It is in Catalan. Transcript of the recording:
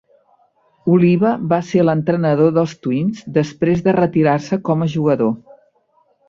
Oliva va ser l'entrenador dels Twins després de retirar-se com a jugador.